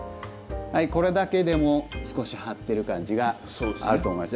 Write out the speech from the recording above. これだけでも少し張ってる感じがあると思います。